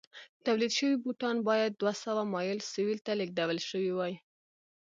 تولید شوي بوټان باید دوه سوه مایل سویل ته لېږدول شوي وای.